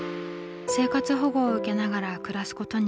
生活保護を受けながら暮らすことに。